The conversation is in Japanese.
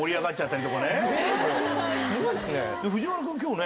すごいですね。